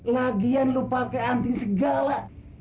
lagian lupa ke anti segala